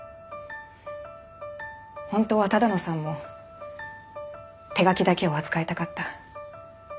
本当は多田野さんも手描きだけを扱いたかった。